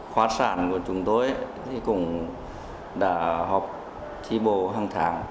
khoa sản của chúng tôi cũng đã học tri bộ hàng tháng